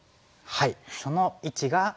はい。